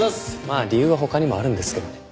まあ理由は他にもあるんですけどね。